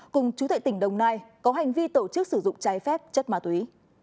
cùng chủ tệ tỉnh đồng nai có hành vi tổ chức sử dụng trái phép chất ma túy